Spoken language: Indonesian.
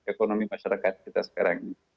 ekonomi masyarakat kita sekarang ini